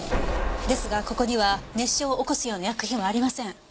ですがここには熱傷を起こすような薬品はありません。